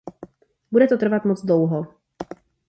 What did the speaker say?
Bude to trvat moc dlouho.